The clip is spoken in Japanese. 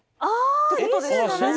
って事ですよね？